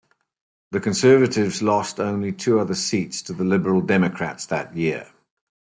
The Conservatives lost only two other seats to the Liberal Democrats that year.